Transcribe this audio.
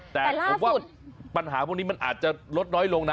แต่ผมว่าปัญหาพวกนี้มันอาจจะลดน้อยลงนะ